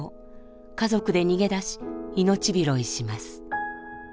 家族で逃げだし命拾いします。